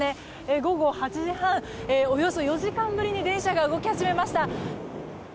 午後８時半、およそ４時間ぶりに電車が動き始めました。